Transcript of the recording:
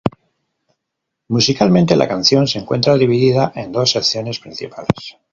Musicalmente, la canción se encuentra dividida en dos secciones principales.